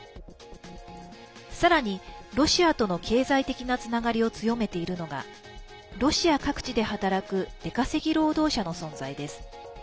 さらに、ロシアとの経済的なつながりを強めているのがロシア各地で働く出稼ぎ労働者の存在です。